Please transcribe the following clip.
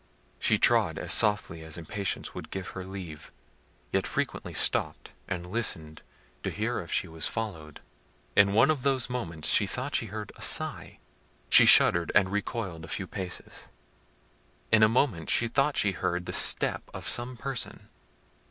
She trod as softly as impatience would give her leave, yet frequently stopped and listened to hear if she was followed. In one of those moments she thought she heard a sigh. She shuddered, and recoiled a few paces. In a moment she thought she heard the step of some person.